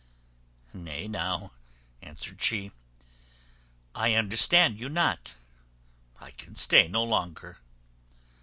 "Nay, now," answered she, "I understand you not. I can stay no longer."